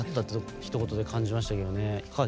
ひと言で感じましたね。